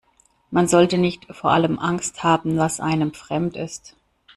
Man sollte nicht vor allem Angst haben, was einem fremd ist.